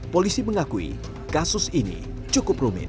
polisi mengakui kasus ini cukup rumit